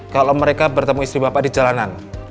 kalau mereka bertemu istri bapak di jalanan